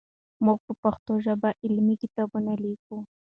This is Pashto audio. موږ په پښتو ژبه علمي کتابونه لیکو.